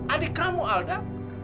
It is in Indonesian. adik kamu alda